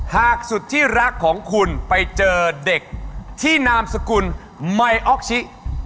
หากสุดที่รักของคุณไปเจอเด็กที่นามสกุลไมออกชิ